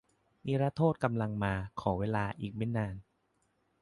นิรโทษกำลังจะมา ขอเวลาอีกไม่นาน